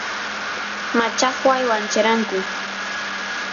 machajuay wancheranku